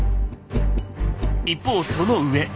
一方その上。